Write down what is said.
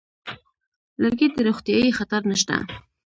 لرګي ته روغتیايي خطر نشته.